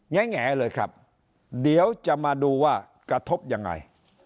แงเลยครับเดี๋ยวจะมาดูว่ากระทบยังไง